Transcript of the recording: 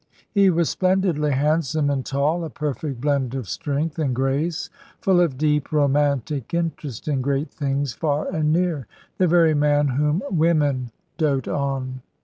He was splendidly handsome and tall, a perfect blend of strength and grace, full of deep, romantic interest in great things far and near: the very man whom women dote on.